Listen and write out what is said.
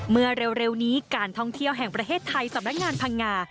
เมื่อเร็วนี้การท่องเที่ยวแห่งประเทศไทยสำนักงานพังงา